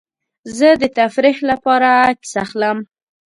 زه د تفریح لپاره عکس اخلم.